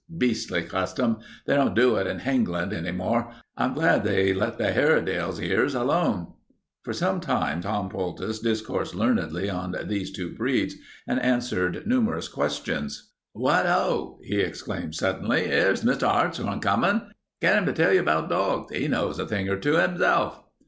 Beastly custom. They don't do it in Hengland any more. I'm glad they let the Hairedales' ears alone." For some time Tom Poultice discoursed learnedly on these two breeds and answered numerous questions. "What ho," he exclaimed suddenly. "'Ere's Mr. 'Artshorn coming. Get 'im to tell you about dogs. 'E knows a thing or two 'imself."